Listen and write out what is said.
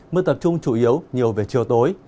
mưa tập trung chủ yếu nhiều về chiều tối